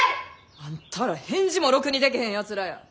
あんたら返事もろくにでけへんやつらや。